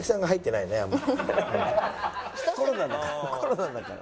コロナだから。